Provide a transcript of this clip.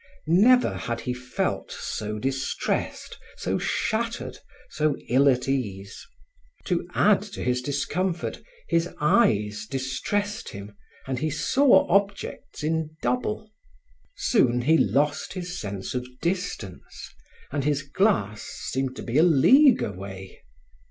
Never had he felt so distressed, so shattered, so ill at ease. To add to his discomfort, his eyes distressed him and he saw objects in double. Soon he lost his sense of distance, and his glass seemed to be a league away.